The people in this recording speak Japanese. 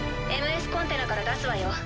ＭＳコンテナから出すわよ。